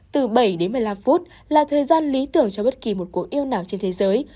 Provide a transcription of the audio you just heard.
từ bảy đến một mươi năm phút là thời gian lý tưởng cho bất kỳ một cuộc yêu nào trên thế giới